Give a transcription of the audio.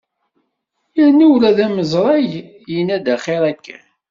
Yerna ula d amaẓrag, yenna-d axir akken.